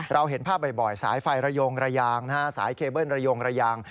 เราเห็นภาพบ่อยสายไฟระยงระยางสายเคเบิ้ลระยงระยาง